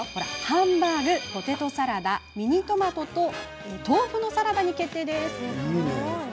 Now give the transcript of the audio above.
ハンバーグにポテトサラダミニトマトと豆腐のサラダに決定です。